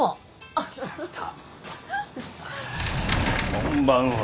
こんばんは。